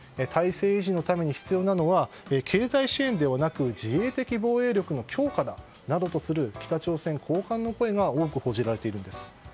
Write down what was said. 体制維持のために必要なのは経済支援ではなく自衛的防衛力の強化だなどとする北朝鮮高官の声が多く報じられているんです。